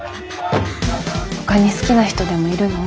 ほかに好きな人でもいるの？